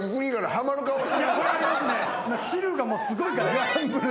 汁がもうすごいから。